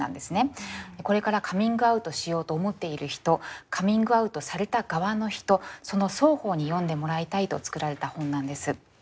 これからカミングアウトしようと思っている人カミングアウトされた側の人その双方に読んでもらいたいと作られた本なんです。